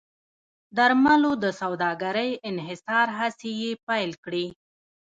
درملو د سوداګرۍ انحصار هڅې یې پیل کړې.